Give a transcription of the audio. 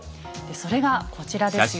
それがこちらですよ。